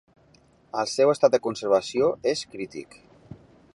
El seu estat de conservació és crític.